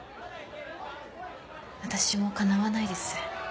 私もかなわないです。